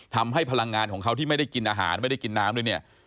พลังงานของเขาที่ไม่ได้กินอาหารไม่ได้กินน้ำด้วยเนี่ย